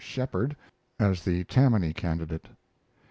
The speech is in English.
Shepard as the Tammany candidate.